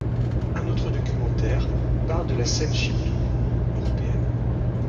Un autre documentaire, ' parle de la scène chiptune européenne.